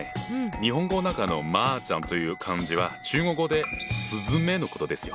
日本語の中の麻雀という漢字は中国語でスズメのことですよ。